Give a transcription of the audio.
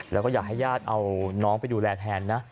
แล้วก็อยากให้ญาติเอาน้องไปดูแลแทนนะ